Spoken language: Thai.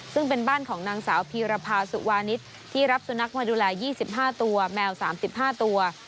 ซึ่งเป็นบ้านของนางสาวพีรภาสุวานิสที่รับสุนัขมาดูแล๒๕ตัวแมว๓๕ตัว